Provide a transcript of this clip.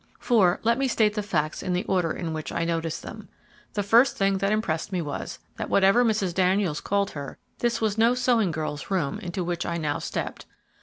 For, let me state the facts in the order in which I noticed them. The first thing that impressed me was, that whatever Mrs. Daniels called her, this was no sewing girl's room into which I now stepped.